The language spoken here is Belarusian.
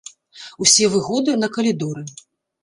Усе выгоды на калідоры.